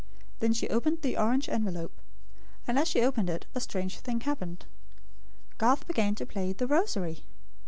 Then she opened the orange envelope. And as she opened it, a strange thing happened. Garth began to play The Rosary.